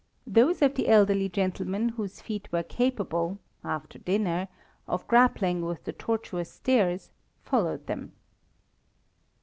Those of the elderly gentlemen whose feet were capable (after dinner) of grappling with the tortuous stairs, followed them.